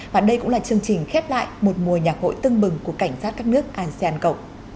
và đây cũng là chương trình khép lại một mùa nhạc hội tưng bừng của cảnh sát các nước asean cộng